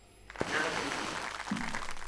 Nada que dicir.